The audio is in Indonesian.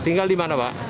tinggal di mana pak